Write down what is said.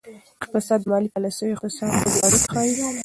اقتصاد د مالي پالیسیو او اقتصادي ودې اړیکه ښيي.